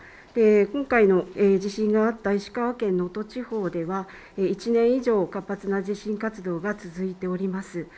今回の地震のあった石川県能登地方では１年以上活発な地震活動が続いております。